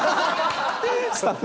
スタッフ？